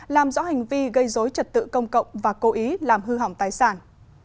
làm rõ hành vi gây dối trật tự công cộng và cố ý làm hư hỏng tài sản